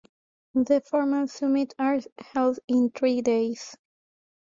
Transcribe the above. The formal summit are held in three days.